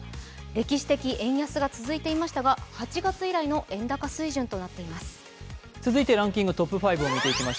歴史的円安が続いていましたが８月以来の円高水準となっています